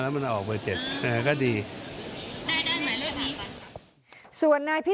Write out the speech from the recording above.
ท่านบุคคลาสมัคร